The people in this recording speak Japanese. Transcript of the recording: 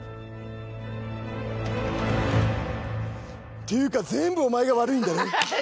っていうかぜーんぶお前が悪いんだろ。